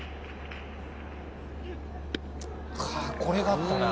これがあったな。